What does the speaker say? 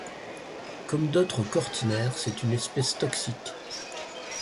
Comme d'autres cortinaires, c'est une espèce toxique.